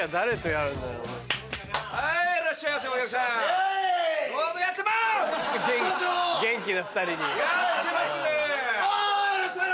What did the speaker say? やってます？